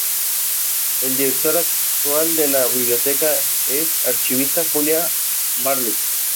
El director actual de la biblioteca es archivista Julia Bartlett.